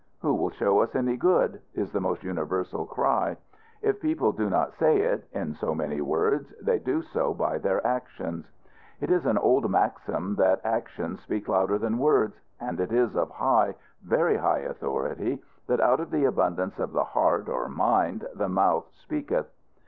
"Who will show us any good?" is the almost universal cry. If people do not say it, in so many words, they do so by their actions. It is an old maxim that actions speak louder than words; and it is of high, very high authority, that out of the abundance of the heart (or mind) the mouth speaketh.